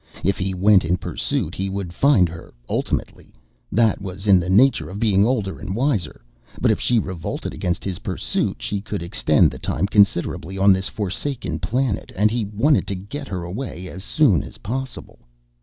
If he went in pursuit he would find her ultimately that was in the nature of being older and wiser but, if she revolted against his pursuit, she could extend the time considerably on this forsaken planet. And he wanted to get her away as soon as possible.